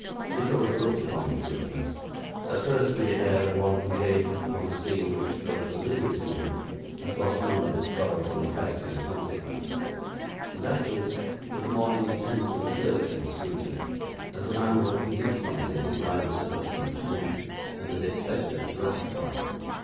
Nicholas looked upon the sleepers; at first, with the air of one who gazes upon a scene which, though familiar to him, has lost none of its sorrowful effect in consequence; and, afterwards, with a more intense and searching scrutiny, as a man would who missed something his eye was accustomed to meet, and had expected to rest upon.